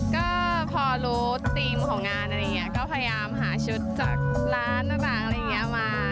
ก็พอรู้ธีมของงานอะไรอย่างนี้ก็พยายามหาชุดจากร้านต่างอะไรอย่างนี้มา